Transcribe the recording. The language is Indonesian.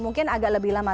mungkin agak lebih lama